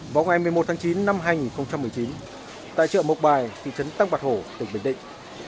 vào ngày một mươi một tháng chín năm hai nghìn một mươi chín tại chợ mộc bài thị trấn tăng bạc hổ tỉnh bình định